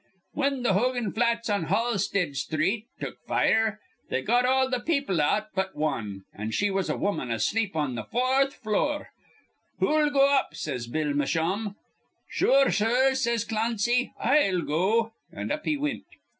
"Whin th' Hogan flats on Halsted Sthreet took fire, they got all th' people out but wan; an' she was a woman asleep on th' fourth flure. 'Who'll go up?' says Bill Musham. 'Sure, sir,' says Clancy, 'I'll go'; an' up he wint.